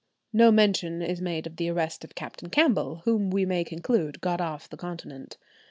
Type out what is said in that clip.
No mention is made of the arrest of Captain Campbell, whom we may conclude got off the continent.